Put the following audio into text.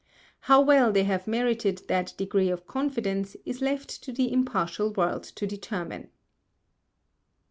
How well they have merited that Degree of Confidence is left to the impartial World to determine.